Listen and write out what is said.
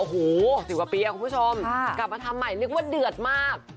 โอ้โหสิบกว่าปีอ่ะคุณผู้ชมค่ะกลับมาทำใหม่นึกว่าเดือดมาก